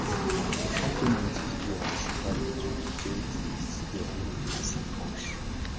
Le championnat individuel de Scrabble duplicate se déroule en cinq manches.